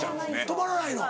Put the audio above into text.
止まらないの。